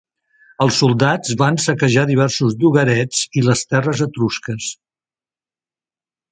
Els soldats van saquejar diversos llogarets i les terres etrusques.